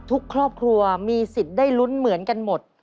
ทุกครอบครัวมีสิทธิ์ได้ลุ้นเหมือนกันหมด